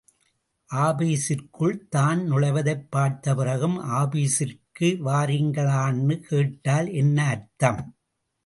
ஆபீஸிற்குள், தான் நுழைவதைப் பார்த்த பிறகும் ஆபீஸிற்கு வாரீங்களான்னு கேட்டால் என்ன அர்த்தம்?